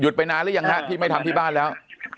ไปนานหรือยังฮะที่ไม่ทำที่บ้านแล้ว